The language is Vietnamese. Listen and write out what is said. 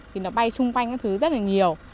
thì nó bay xung quanh các thứ rất là nhiều